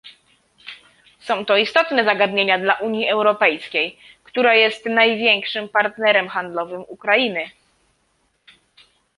Są to istotne zagadnienia dla Unii Europejskiej, która jest największym partnerem handlowym Ukrainy